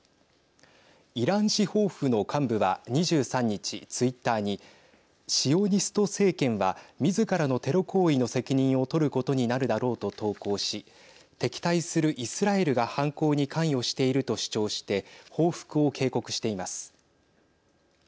イラン司法府の幹部は２３日ツイッターにシオニスト政権はみずからのテロ行為の責任を取ることになるだろうと投稿し敵対するイスラエルが犯行に関与していると主張して報復を警告しています。